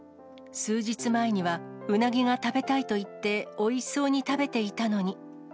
数日前にはウナギが食べたいと言って、おいしそうに食べていたのに。